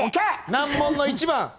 難問の１番。